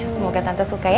semoga tante suka ya